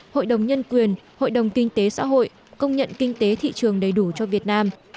hội đồng nhân quyền hội đồng kinh tế xã hội công nhận kinh tế thị trường đầy đủ cho việt nam